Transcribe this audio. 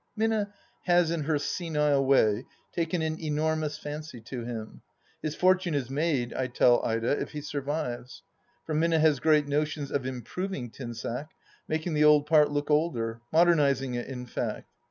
Minna has in her senile way taken an enormous fancy to him. His fortune is made, I tell Ida, if he survives. For Minna has great notions of " improving " Tinsack, making the old part look older — modernizing it in fact.